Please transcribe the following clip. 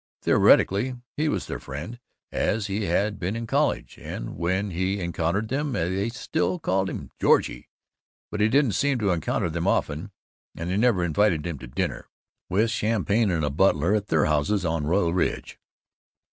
Theoretically he was their friend, as he had been in college, and when he encountered them they still called him "Georgie," but he didn't seem to encounter them often, and they never invited him to dinner (with champagne and a butler) at their houses on Royal Ridge.